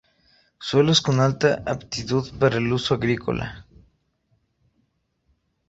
Suelos con alta aptitud para el uso agrícola.